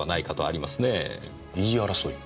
言い争い。